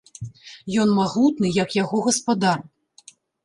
Ён магутны, як яго гаспадар.